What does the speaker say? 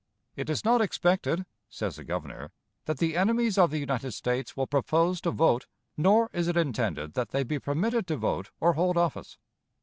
"It is not expected," says the Governor, "that the enemies of the United States will propose to vote, nor is it intended that they be permitted to vote or hold office."